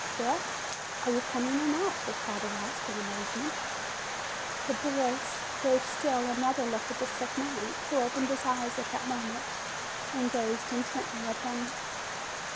"Well, are you coming or not?" his father asked, in amazement. The boy gave still another look at the sick man, who opened his eyes at that moment and gazed intently at him.